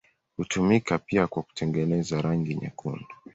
Hutumika pia kwa kutengeneza rangi nyekundu.